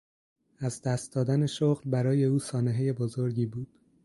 از دست دادن شغل برای او سانحهی بزرگی بود.